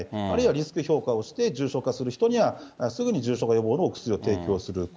あるいはリスク評価をして、重症化する人にはすぐに重症化予防のお薬を提供する。